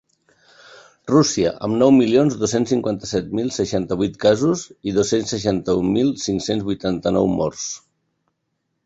Rússia, amb nou milions dos-cents cinquanta-set mil seixanta-vuit casos i dos-cents seixanta-un mil cinc-cents vuitanta-nou morts.